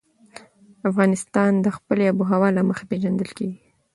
افغانستان د خپلې آب وهوا له مخې پېژندل کېږي.